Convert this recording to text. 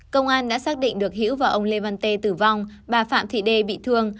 công an đã xác định được hữu và ông lê văn tê tử vong bà phạm thị đê bị thương